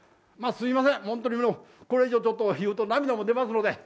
すみません、本当にもう、これ以上、ちょっと言うと、涙も出ますので。